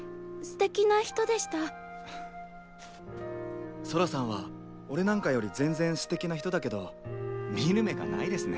あソラさんは俺なんかより全然すてきな人だけど見る目がないですね。